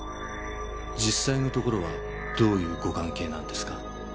実際のところはどういうご関係なんですか？